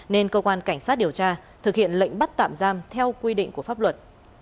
nên cơ quan cảnh sát điều tra thực hiện lệnh bắt tạm giam theo quy định của pháp luật